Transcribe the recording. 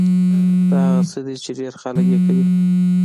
دا هغه څه دي چې ډېر خلک يې کوي.